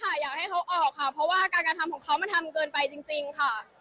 อยากให้เขาออกค่ะเพราะว่าการกระทำของเขามันทำเกินไปจริงค่ะ